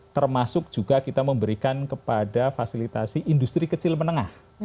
termasuk juga kita memberikan kepada fasilitasi industri kecil menengah